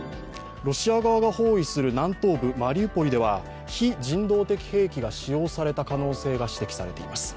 ロシア側が包囲する南東部マリウポリでは非人道的兵器が使用された可能性が指摘されています。